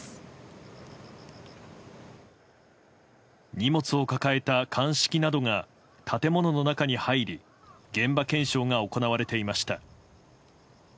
荷物を抱えた鑑識などが建物中に入り現場検証が行われていました。